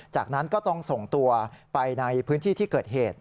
จากนั้นก็ต้องส่งตัวไปในพื้นที่ที่เกิดเหตุ